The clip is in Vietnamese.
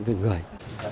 của những người